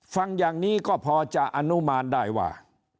ฟังอย่างนี้ก็พอจะอนุมานได้ว่า